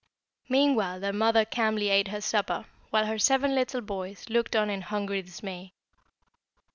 "Meanwhile their mother calmly ate her supper, while her seven little boys looked on in hungry dismay.